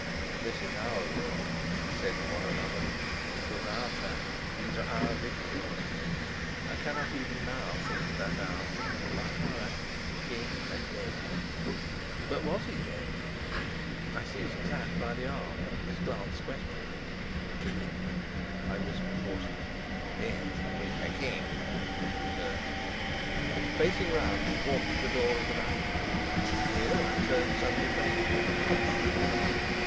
"This is our work," we said to one another. "It was our trap, these are our victims." I cannot even now think of that hour, for by our act the king lay dead. But was he dead? I seized Sapt by the arm. His glance questioned me. "The king," I whispered hoarsely. "Yes, the king," he returned. Facing round, we walked to the door of the dining room. Here I turned suddenly faint, and clutched at the constable.